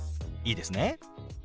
いいですね？